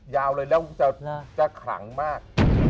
ยาวเลยแล้วจะขลังมาก